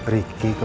riki kepada keisha